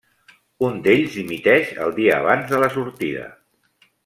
Un d'ells dimiteix el dia abans de la sortida.